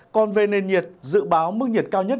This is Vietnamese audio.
còn về nền nhiệt dự báo mức nhiệt cao nhất